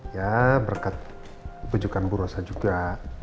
ya berkat ujukan burosa juga